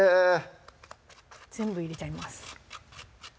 全部入れちゃいます